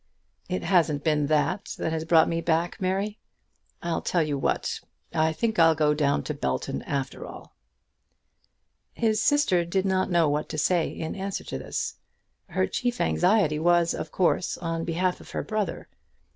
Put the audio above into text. "It hasn't been that that has brought me back, Mary. I'll tell you what. I think I'll go down to Belton after all." His sister did not know what to say in answer to this. Her chief anxiety was, of course, on behalf of her brother.